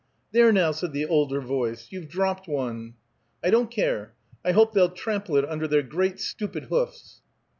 "There, now!" said the older voice. "You've dropped one." "I don't care! I hope they'll trample it under their great stupid hoofs."